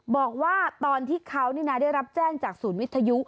บอกว่าตอนที่เขาได้รับแจ้งจากศูนย์วิทยุ